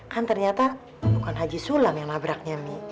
kan ternyata bukan haji sulam yang nabraknya mie